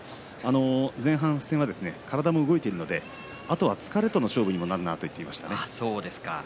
前半戦は体も動いているのであとは疲れとの勝負だと言っていました。